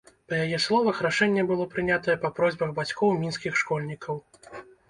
Па яе словах, рашэнне было прынятае па просьбах бацькоў мінскіх школьнікаў.